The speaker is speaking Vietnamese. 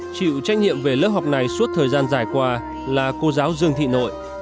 chịu trách nhiệm về lớp học này suốt thời gian dài qua là cô giáo dương thị nội